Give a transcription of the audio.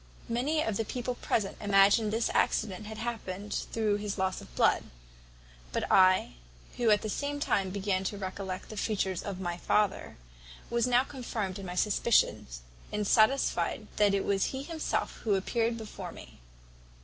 "Many of the people present imagined this accident had happened through his loss of blood; but I, who at the same time began to recollect the features of my father, was now confirmed in my suspicion, and satisfied that it was he himself who appeared before me.